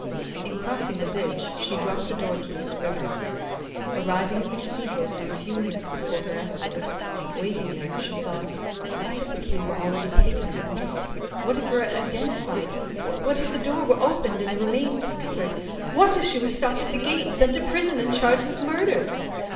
In crossing the bridge, she dropped the door key in the river. Arriving at the cathedral some few minutes before her escort, and waiting there, she thought, what if the key were already taken in a net, what if it were identified, what if the door were opened and the remains discovered, what if she were stopped at the gate, sent to prison, and charged with murder!